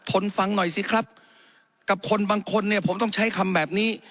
ทนฟังหน่อยสิครับกับคนบางคนเนี่ยผมต้องใช้คำแบบนี้